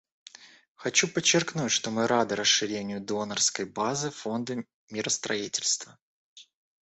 Хочу подчеркнуть, что мы рады расширению донорской базы Фонда миростроительства.